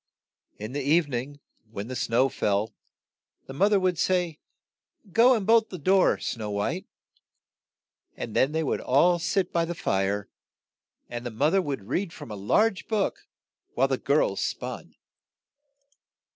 In the eve ning, when the snow fell, the moth er would say, "Go and bolt the door, Snow White," and then they would all sit by the fire, and the moth er would read from a large book, while the girls spun.